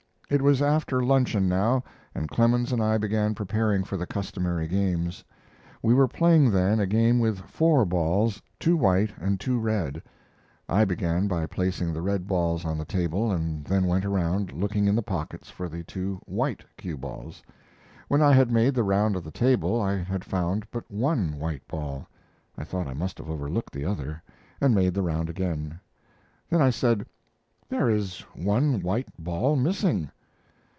It was after luncheon now, and Clemens and I began preparing for the customary games. We were playing then a game with four balls, two white and two red. I began by placing the red balls on the table, and then went around looking in the pockets for the two white cue balls. When I had made the round of the table I had found but one white ball. I thought I must have overlooked the other, and made the round again. Then I said: "There is one white ball missing."